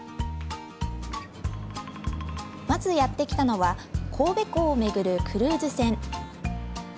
まずやって来たのは、神戸港を巡るクルーズ船。